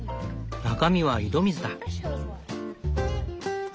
中身は井戸水だ。